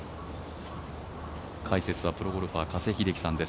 解説はプロゴルファー加瀬秀樹さんです。